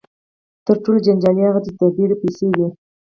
تر ټولو جنجالي هغه یې د بېړۍ پیسې وې.